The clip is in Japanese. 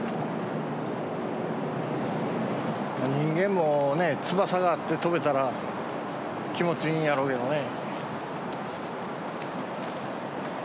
人間も、翼があって飛べたら、気持ちいいんやろうけどね。